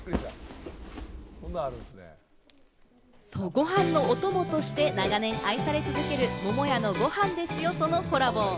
ご飯のおともとして長年愛され続ける桃屋の「ごはんですよ！」とのコラボ。